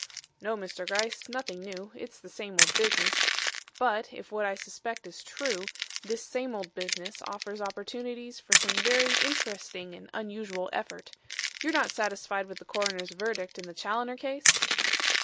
"No, Mr. Gryce; nothing new. It's the same old business. But, if what I suspect is true, this same old business offers opportunities for some very interesting and unusual effort. You're not satisfied with the coroner's verdict in the Challoner case?"